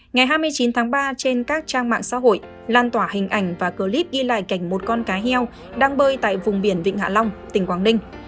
ngày hai mươi chín tháng ba trên các trang mạng xã hội lan tỏa hình ảnh và clip ghi lại cảnh một con cá heo đang bơi tại vùng biển vịnh hạ long tỉnh quảng ninh